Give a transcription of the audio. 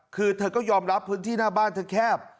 คือเธอก็ยอมรับพื้นที่หน้าบ้านเธอแคบ